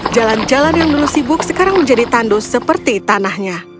jalan jalan yang dulu sibuk sekarang menjadi tandus seperti tanahnya